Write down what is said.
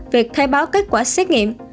việc khai báo kết quả xét nghiệm